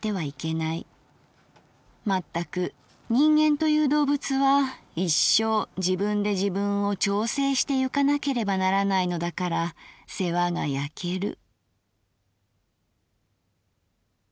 まったく人間という動物は一生自分で自分を調整してゆかなければならないのだから世話がやける」。